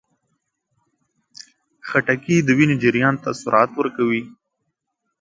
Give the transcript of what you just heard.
خټکی د وینې جریان ته سرعت ورکوي.